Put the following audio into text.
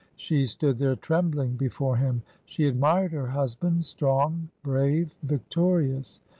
She stood there trembling before him. She admired her husband, strong, brave, victorious.